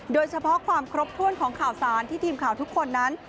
โดยเฉพาะความครบถ้วนของข่าวสารที่ทีมข่าวทุกคนนั้น